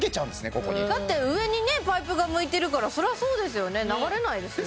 ここにだって上にねパイプが向いてるからそれはそうですよね流れないですよね